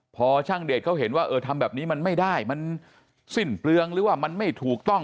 พอช่างเดชเขาเห็นว่าเออทำแบบนี้มันไม่ได้มันสิ้นเปลืองหรือว่ามันไม่ถูกต้อง